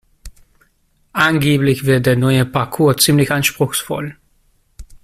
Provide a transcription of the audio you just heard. Angeblich wird der neue Parkour ziemlich anspruchsvoll.